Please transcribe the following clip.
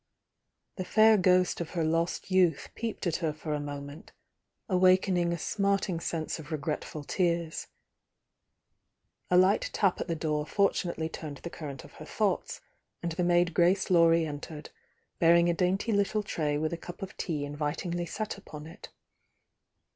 The fair ghost of her lost youth peeped at her for a moment, awakening a smarting sense of regretful tears. A light tap at the door fortu nately turned the current of her thoughts, and the maid Grace Laurie entered, bearing a dainty little tray with a cup of tea invitingly set upon it.